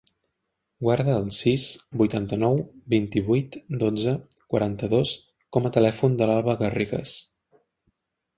Guarda el sis, vuitanta-nou, vint-i-vuit, dotze, quaranta-dos com a telèfon de l'Alba Garrigues.